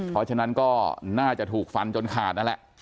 เพราะฉะนั้นก็น่าจะถูกฟันจนขาดนั่นแหละ